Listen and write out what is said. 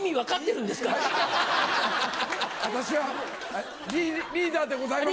私はリーダーでございます。